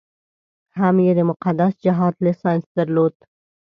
هم یې د مقدس جهاد لایسنس درلود.